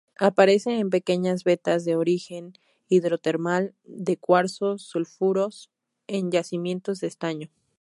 Aparece en pequeñas vetas de origen hidrotermal de cuarzo-sulfuros en yacimientos de estaño.